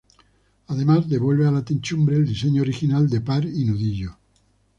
Además devuelve a la techumbre el diseño original de par y nudillo.